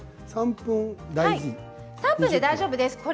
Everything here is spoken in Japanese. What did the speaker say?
３分で大丈夫ですか？